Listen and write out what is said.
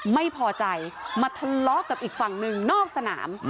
ไม่พอใจมาทะเลาะกับอีกฝั่งหนึ่งนอกสนาม